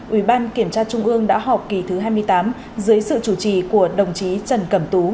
ủy ban kiểm tra trung ương đã họp kỳ thứ hai mươi tám dưới sự chủ trì của đồng chí trần cẩm tú